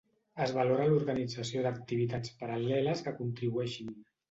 Es valora l'organització d'activitats paral·leles que contribueixin.